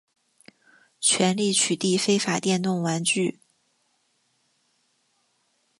全力取缔非法电动玩具